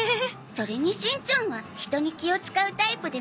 それにしんちゃんは人に気を使うタイプでもないし。